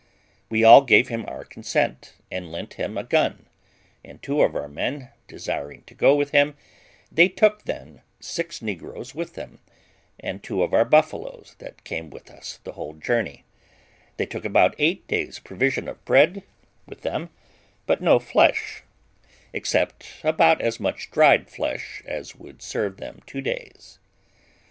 We all gave him our consent, and lent him a gun; and two of our men desiring to go with him, they took then six negroes with them, and two of our buffaloes that came with us the whole journey; they took about eight days' provision of bread with them, but no flesh, except about as much dried flesh as would serve them two days.